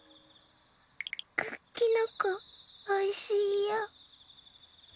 クッキノコおいしいよ。